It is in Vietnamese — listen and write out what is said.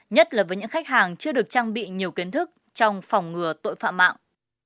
nhất là với những khách hàng chưa được trang bị nhiều kiến thức trong phòng ngừa tội phạm mạng